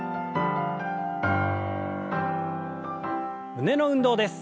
胸の運動です。